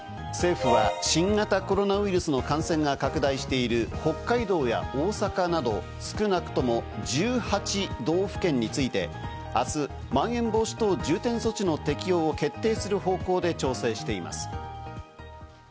政府は新型コロナウイルスの感染が拡大している北海道や大阪など少なくとも１８道府県について明日、まん延防止等重点措置の適用を決定する方向で調整しています。